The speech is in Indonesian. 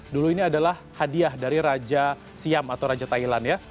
dulu ini adalah hadiah dari raja siam atau raja thailand ya